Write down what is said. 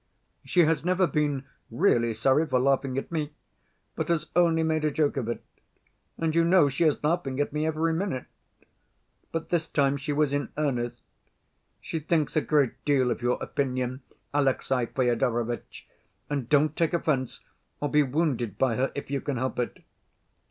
She has never been really sorry for laughing at me, but has only made a joke of it. And you know she is laughing at me every minute. But this time she was in earnest. She thinks a great deal of your opinion, Alexey Fyodorovitch, and don't take offense or be wounded by her if you can help it.